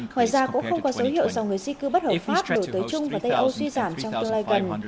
ngoài ra cũng không có dấu hiệu dòng người di cư bất hợp pháp đổ tới trung và tây âu suy giảm trong tương lai gần